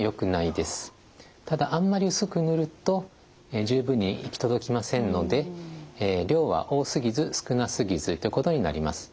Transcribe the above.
ただあんまり薄く塗ると十分に行き届きませんので量は多すぎず少なすぎずということになります。